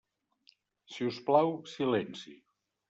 Si us plau, silenci.